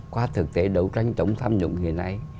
qua thực tế đấu tranh chống tham nhũng hiện nay